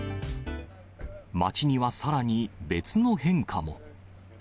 街にはさらに別の変化も。